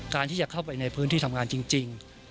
ที่จะเข้าไปในพื้นที่ทำงานจริง